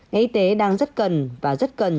ngày y tế đang rất cần và rất cần